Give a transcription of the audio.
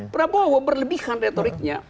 prabowo berlebihan retoriknya